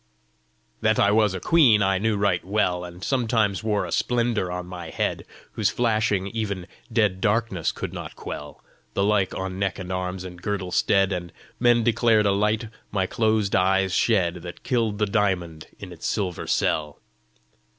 "That I was a queen I knew right well, And sometimes wore a splendour on my head Whose flashing even dead darkness could not quell The like on neck and arms and girdle stead; And men declared a light my closed eyes shed That killed the diamond in its silver cell."